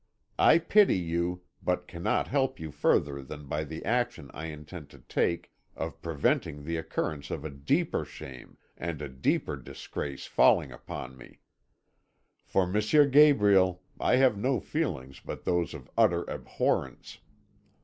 I pity you, but cannot help you further than by the action I intend to take of preventing the occurrence of a deeper shame and a deeper disgrace falling upon me. For M. Gabriel I have no feelings but those of utter abhorrence.